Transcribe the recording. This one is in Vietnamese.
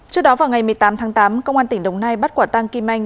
trước đó vào ngày một mươi tám tháng tám công an tỉnh đồng nai bắt quả tăng kim anh